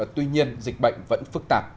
tuy nhiên dịch bệnh vẫn phức tạp